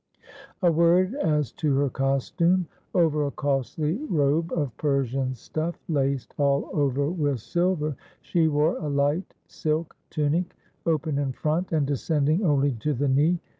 A word as to her costume. Over a costly robe of Persian stuff, laced all over with silver, she wore a light silk tunic, open in front, and descending only to the knee.